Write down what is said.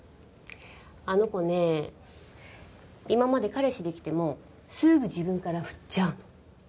あの子ね今まで彼氏できてもすぐ自分からフッちゃうの。